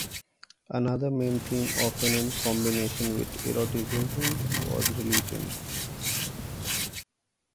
Another main theme, often in combination with eroticism, was religion.